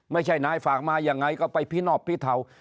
ไม่ใช่นายฝากมายังไงก็ไปพินอบพิเทา